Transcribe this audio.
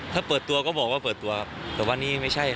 ถ้าเปิดตัวก็บอกว่าเปิดตัวแต่ว่านี่ไม่ใช่